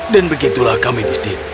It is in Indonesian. dan begitulah kami disini